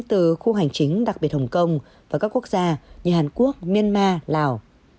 từ khu hành chính đặc biệt hồng kông và các quốc gia như hàn quốc myanmar lào